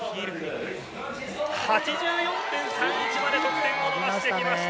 ８４．３１まで得点を伸ばしてきました。